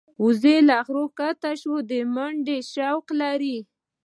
وزې له غرونو ښکته د منډې شوق لري